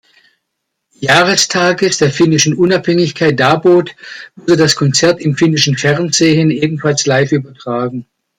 Jahrestages der finnischen Unabhängigkeit darbot, wurde das Konzert im finnischen Fernsehen ebenfalls live übertragen.